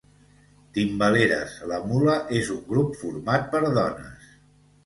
Timbaleres La Mula és un grup format per dones